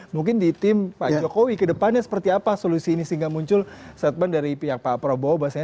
mungkin di tim pak jokowi ke depannya seperti apa solusi ini sehingga muncul statement dari pihak pak prabowo bahasanya